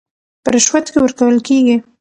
په رشوت کې ورکول کېږي